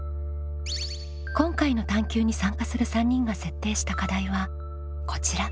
今回の探究に参加する３人が設定した課題はこちら。